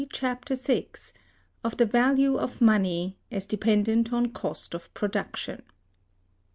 Chapter VI. Of The Value Of Money, As Dependent On Cost Of Production.